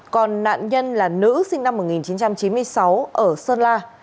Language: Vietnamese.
còn nạn nhân là nữ sinh năm một nghìn chín trăm chín mươi sáu ở sơn la